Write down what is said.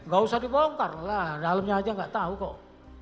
gak usah dibongkar lah dalamnya saja gak tahu kok